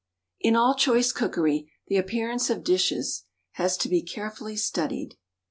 In all choice cookery the appearance of dishes has to be carefully studied.